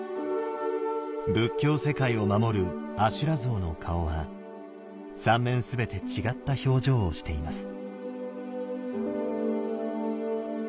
仏教世界を守る阿修羅像の顔は３面全て違った表情をしています。